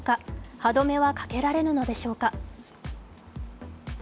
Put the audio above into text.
歯止めはかけられるのでしょうか？